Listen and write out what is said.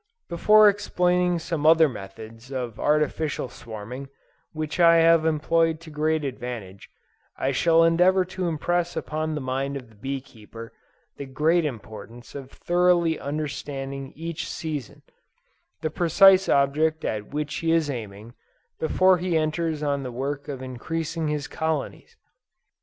Before explaining some other methods of artificial swarming, which I have employed to great advantage, I shall endeavor to impress upon the mind of the bee keeper, the great importance of thoroughly understanding each season, the precise object at which he is aiming, before he enters on the work of increasing his colonies.